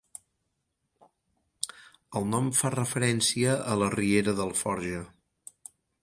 El nom fa referència a la riera d'Alforja.